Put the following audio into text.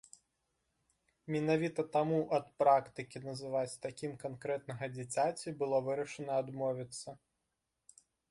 Менавіта таму ад практыкі называць такім канкрэтнага дзіцяці было вырашана адмовіцца.